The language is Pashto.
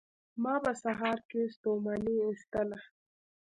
ما په سهار کې ستوماني ایستله